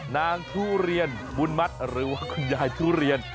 ทุเรียนบุญมัติหรือว่าคุณยายทุเรียน